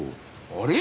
あれ？